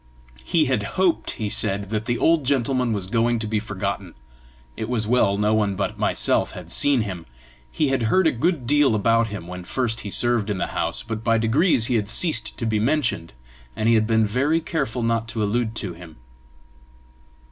He had hoped, he said, that the old gentleman was going to be forgotten; it was well no one but myself had seen him. He had heard a good deal about him when first he served in the house, but by degrees he had ceased to be mentioned, and he had been very careful not to allude to him.